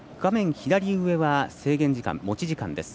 左上は制限時間持ち時間です。